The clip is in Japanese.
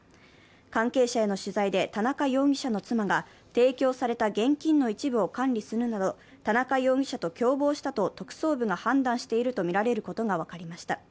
関係者への取材で田中容疑者の妻が、提供された現金の一部を管理するなど田中容疑者と共謀したと特捜部が判断したとみられることが分かりました。